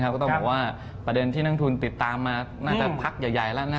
ก็ต้องบอกว่าประเด็นที่นักทุนติดตามมาน่าจะพักใหญ่แล้ว